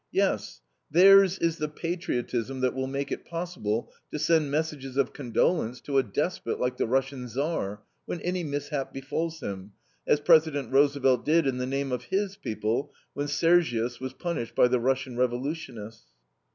Yes, theirs is the patriotism that will make it possible to send messages of condolence to a despot like the Russian Tsar, when any mishap befalls him, as President Roosevelt did in the name of HIS people, when Sergius was punished by the Russian revolutionists.